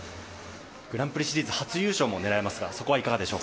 グランプリシリーズ初優勝も狙えますが。